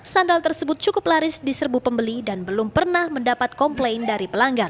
sandal tersebut cukup laris di serbu pembeli dan belum pernah mendapat komplain dari pelanggan